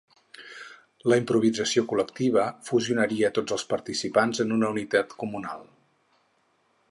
La improvisació col·lectiva fusionaria tots els participants en una unitat comunal.